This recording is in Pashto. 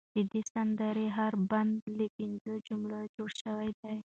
د دې سندرې هر بند له پنځو جملو جوړ شوی دی.